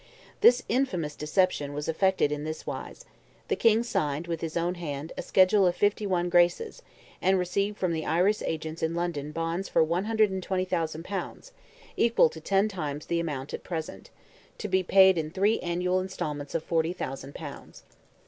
This infamous deception was effected in this wise: the King signed, with his own hand, a schedule of fifty one "graces," and received from the Irish agents in London bonds for 120,000 pounds, (equal to ten times the amount at present), to be paid in three annual instalments of 40,000 pounds.